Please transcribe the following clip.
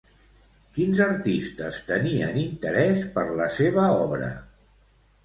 Quins artistes tenien interès per la seva obra?